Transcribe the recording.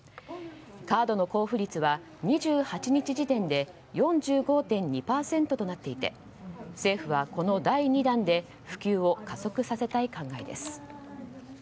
カードの交付率は２８日時点で４５．２％となっていて政府はこの第２弾で普及を加速させたい考えです。